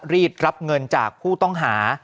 รีดรับเงินจากผู้ต้องหา